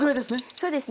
そうですね。